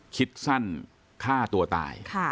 คิดสั้นฆ่าตัวตาย